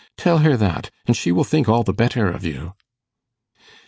Tell her that, and she will think all the better of you.